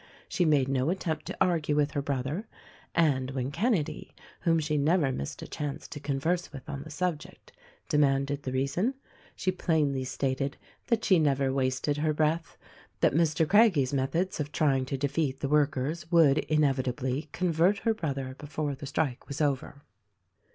She made no attempt to argue with her brother ; and when Kenedy, whom she never missed a chance to converse with on the subject, demanded the reason, she plainly stated that she never wasted her breath — that Mr. Craggie's methods of trying to defeat the workers would inevitably convert her brother before the strike was over.